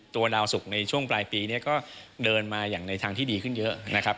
ตัวดาวน์สุขในช่วงปลายปีก็เดินมาอย่างในทางที่ดีขึ้นเยอะ